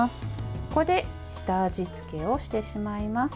これで下味付けをしてしまいます。